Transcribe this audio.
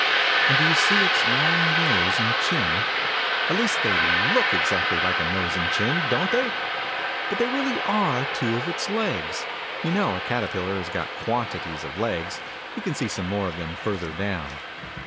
And do you see its long nose and chin ? At least, they look exactly like a nose and chin, don't they ? But they really are two of its legs. You know a Caterpillar has got quantities of legs : you can see some more of them, further down.